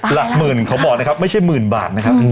หลักหมื่นเขาบอกนะครับไม่ใช่หมื่นบาทนะครับ